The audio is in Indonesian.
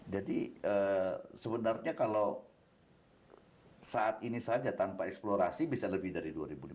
jadi sebenarnya kalau saat ini saja tanpa eksplorasi bisa lebih dari dua ribu empat puluh satu